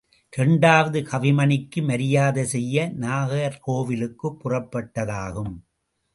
இரண்டாவது கவிமணிக்கு மரியாதை செய்ய நாகர்கோவிலுக்குப் புறப்பட்டதாகும்.